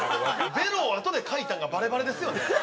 べろをあとで描いたのがバレバレですよね。